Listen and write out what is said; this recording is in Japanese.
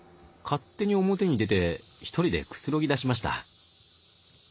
勝手に表に出て１人でくつろぎだしました。